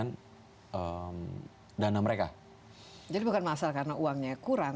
membawa ke project apa mereka harus memberikan dana mereka jadi bukan masalah karena uangnya kurang